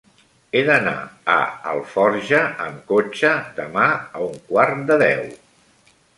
He d'anar a Alforja amb cotxe demà a un quart de deu.